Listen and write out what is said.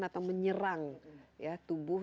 atau menyerang tubuh